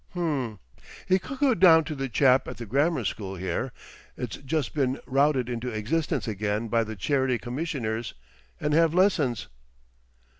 H'm. He could go down to the chap at the grammar school here—it's just been routed into existence again by the Charity Commissioners and have lessons."